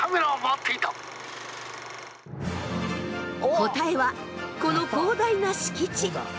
答えはこの広大な敷地。